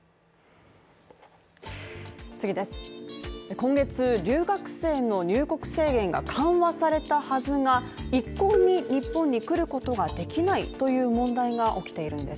今月、留学生の入国制限が緩和されたはずが、一向に日本に来ることができないという問題が起きているんです